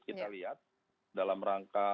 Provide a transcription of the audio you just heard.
kita lihat dalam rangka